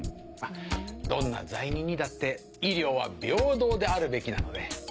どんな罪人にだって医療は平等であるべきなので。